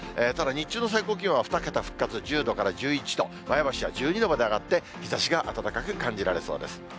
ただ日中の最高気温は２桁復活、１０度から１１度、前橋は１２度まで上がって、日ざしが暖かく感じられそうです。